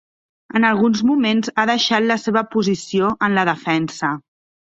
En alguns moments ha deixat la seva posició en la defensa.